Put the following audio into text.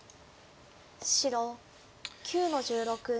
白９の十六ツギ。